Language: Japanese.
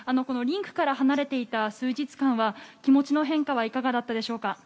リンクから離れていた数日間は気持ちの変化はいかがだったでしょうか？